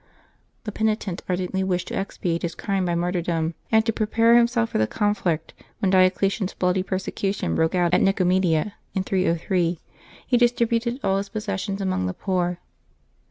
The penitent ardently wished to expiate his crime by martyrdom; and to prepare himself for the con flict, when Diocletian's bloody persecution broke out at Nicomedia, in 303, he distributed all his possessions among the poor.